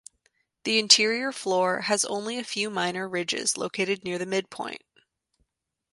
The interior floor has only a few minor ridges located near the midpoint.